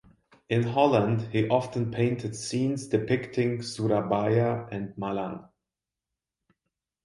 In Holland he often painted scenes depicting Surabaya and Malang.